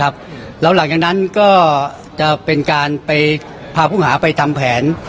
แล้วหลังจากนั้นก็จะเป็นการไปพาผู้หาไปทำแผน